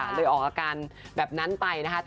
เลยออกอาการแบบนั้นไปนะคะ